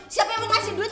siapa yang mau ngasih duit